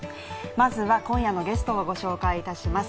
まずは今夜のゲストをご紹介いたします。